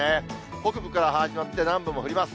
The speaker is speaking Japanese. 北部から始まって南部も降ります。